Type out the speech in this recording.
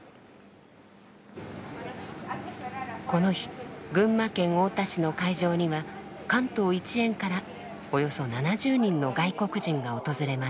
この日群馬県太田市の会場には関東一円からおよそ７０人の外国人が訪れました。